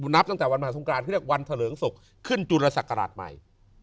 นับตั้งแต่วันมหาสงครานคือวันทะเลิงศกขึ้นจุลสักกราชใหม่